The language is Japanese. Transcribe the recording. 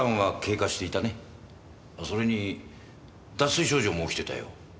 それに脱水症状も起きてたよ。